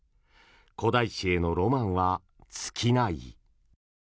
古代史へのロマンは尽きない。